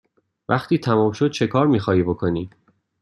وقتی تمام شد چکار می خواهی بکنی؟